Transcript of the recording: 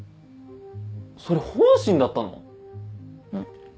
それ本心だったの⁉うん。